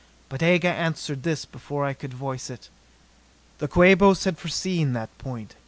But Aga answered this before I could voice it. The Quabos had foreseen that point.